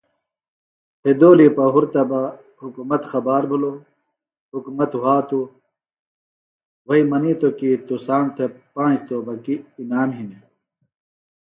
پھِدولی پہُرتہ بہ حکُومت خبار بھِلوۡ حکُومت وھاتوۡ وھئیۡ منِیتوۡ کیۡ تُسام تھےۡ پانج توبکیۡ انعام ہنیۡ